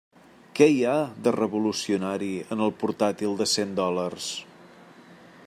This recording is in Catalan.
Què hi ha de revolucionari en el portàtil de cent dòlars?